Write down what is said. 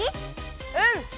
うん！